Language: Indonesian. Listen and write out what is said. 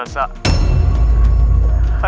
perempuan itu adalah elsa